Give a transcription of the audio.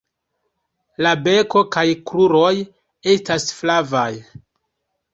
La beko kaj kruroj estas flavaj.